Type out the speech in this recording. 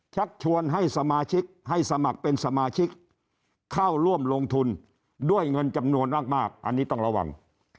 ชักชวนให้สมาชิกให้สมัครเป็นสมาชิกเข้าร่วมลงทุนด้วยเงินจำนวนมากอันนี้ต้องระวัง